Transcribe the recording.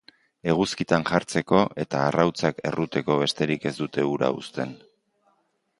Eguzkitan jartzeko eta arrautzak erruteko besterik ez dute ura uzten.